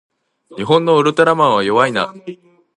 日本のウルトラマンは弱いな